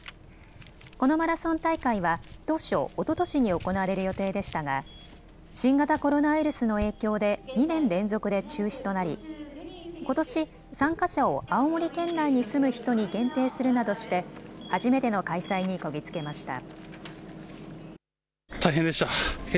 このマラソン大会は当初、おととしに行われる予定でしたが新型コロナウイルスの影響で２年連続で中止となりことし参加者を青森県内に住む人に限定するなどして初めての開催にこぎ着けました。